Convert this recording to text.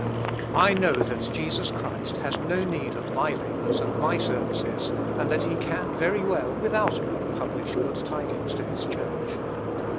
I know that Jesus Christ has no need of my labours and my services, and that he can very well, without me, publish good tidings to his Church.